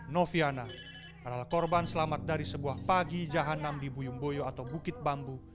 noviana adalah korban selamat dari sebuah pagi jahannam di buyumboyo atau bukit bambu